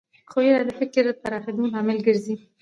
ښوونه د فکر پراخېدو لامل ګرځي